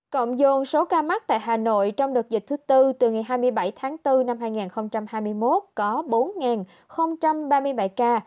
cộng dồn số ca mắc tại hà nội trong đợt dịch thứ tư từ ngày hai mươi bảy tháng bốn năm hai nghìn hai mươi một có bốn ba mươi bảy ca